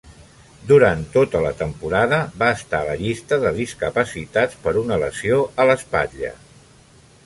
Durant tota la temporada va estar a la llista de discapacitats per una lesió a l'espatlla.